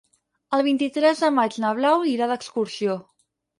El vint-i-tres de maig na Blau irà d'excursió.